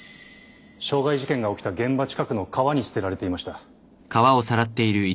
傷害事件が起きた現場近くの川に捨てられていました。